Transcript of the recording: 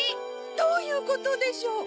どういうことでしょう